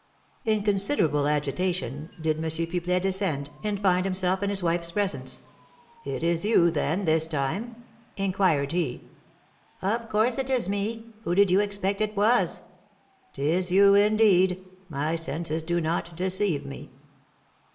In considerable agitation did M. Pipelet descend, and find himself in his wife's presence. "It is you, then, this time?" inquired he. "Of course it is me; who did you expect it was?" "'Tis you, indeed! My senses do not deceive me!"